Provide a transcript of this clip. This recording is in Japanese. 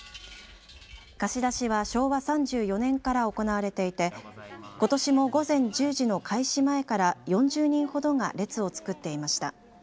貸し出しは昭和３４年から行われていてことしも午前１０時の開始前から４０人ほどが列を作っていました。